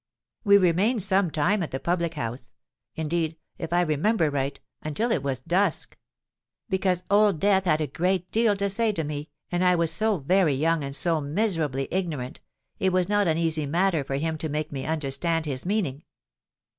"We remained some time at the public house—indeed, if I remember right, until it was dusk; because Old Death had a great deal to say to me, and as I was so very young and so miserably ignorant, it was not an easy matter for him to make me understand his meaning.